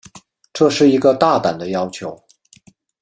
这是一个大胆的要求。